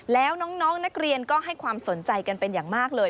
แล้วน้องนักเรียนก็ให้ความสนใจกันเป็นอย่างมากเลย